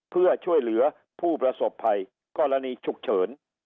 เพื่อช่วยเหลือผู้ประสบภัยกรณีฉุกเฉิน